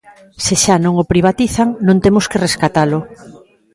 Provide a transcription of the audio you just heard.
Se xa non o privatizan, non temos que rescatalo.